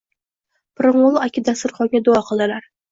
Pirimqul aka dasturxonga duo qildilar